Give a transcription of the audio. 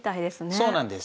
そうなんです。